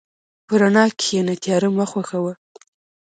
په رڼا کښېنه، تیاره مه خوښه وه.